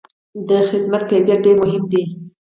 د خدمت کیفیت ډېر مهم دی.